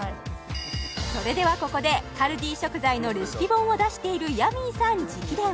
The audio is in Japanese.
それではここでカルディ食材のレシピ本を出しているヤミーさん直伝！